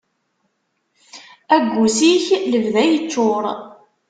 Aggus-ik lebda yeččur.